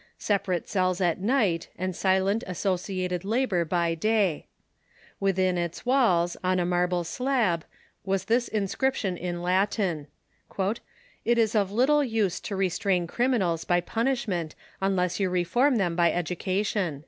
separate cells at night and silent associated labor by day. AVithin its walls. Prison Discipline ,,,,..."...^,,_' on a marble slab, was this inscription m Latin :" It is of little use to restrain criminals by punishment unless you re form tliem by education."